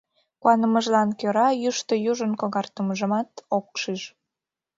Куанымыжлан кӧра йӱштӧ южын когартымыжымат ок шиж.